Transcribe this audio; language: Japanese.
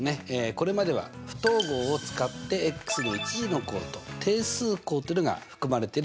これまでは不等号を使っての１次の項と定数項っていうのが含まれている